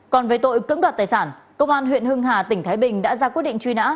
còn về tội cưỡng đoạt tài sản công an huyện hưng hà tỉnh thái bình đã ra quyết định truy nã